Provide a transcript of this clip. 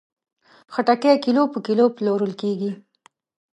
خټکی کیلو په کیلو پلورل کېږي.